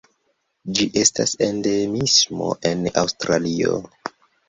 Ĝi estas endemismo en Aŭstralio.